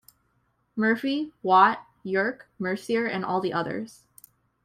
Murphy, Watt, Yerk, Mercier and all the others.